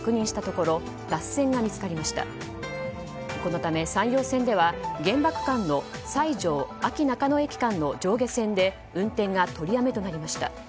このため、山陽線では現場の西条安芸中野駅間の上下線で運転が取りやめとなりました。